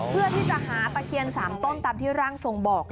เพื่อที่จะหาตะเคียน๓ต้นตามที่ร่างทรงบอก